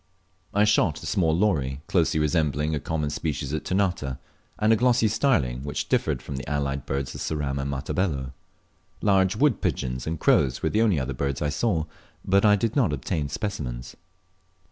I shot a small lory closely resembling a common species at Ternate, and a glossy starling which differed from the allied birds of Ceram and Matabello. Large wood pigeons and crows were the only other birds I saw, but I did not obtain specimens.